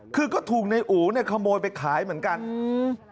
คือก็ถูกในอู๋เนี่ยขโมยไปขายเหมือนกันอืม